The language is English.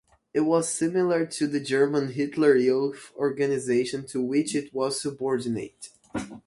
It was similar to the German Hitler Youth organization to which it was subordinate.